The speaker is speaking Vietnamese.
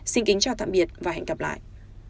xin kính chào tạm biệt và hẹn gặp lại